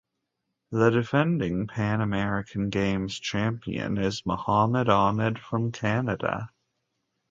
The defending Pan American Games champion is Mohammed Ahmed from Canada.